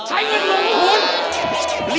ใช้เงินลงทุน